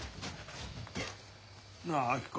なあ明子。